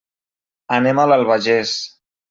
Anem a l'Albagés.